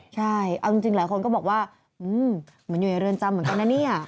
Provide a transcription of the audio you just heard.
ใช่เอาจริงหลายคนก็บอกว่าเหมือนอยู่ในเรือนจำเหมือนกันนะเนี่ย